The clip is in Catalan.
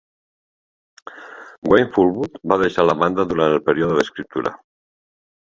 Wayne Fullwood va deixar la banda durant el període d'escriptura.